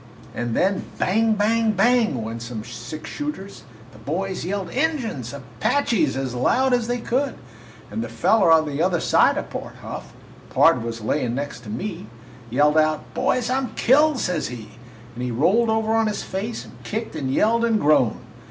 And then bang! bang! bang! went some six shooters, the boys yelled 'Injuns!' 'Apaches!' as loud as they could, and the feller on the other side of Pard Huff (Pard was layin' next to me) yelled out. 'Boys, I 'm killed!' says he, and he rolled over on his face and kicked and yelled and groaned.